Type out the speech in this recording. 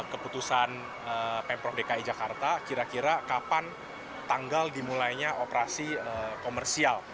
keputusan pemprov dki jakarta kira kira kapan tanggal dimulainya operasi komersial